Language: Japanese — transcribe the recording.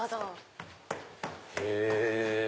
へぇ！